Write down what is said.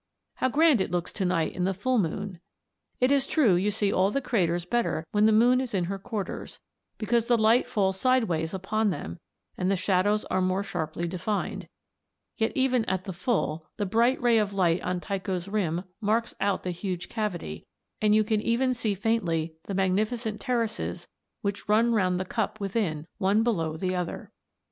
How grand it looks to night in the full moon (Fig. 3_a_)! It is true you see all the craters better when the moon is in her quarters, because the light falls sideways upon them and the shadows are more sharply defined; yet even at the full the bright ray of light on Tycho's rim marks out the huge cavity, and you can even see faintly the magnificent terraces which run round the cup within, one below the other."